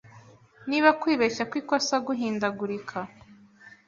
Niba kwibeshya kw'ikosa guhindagurika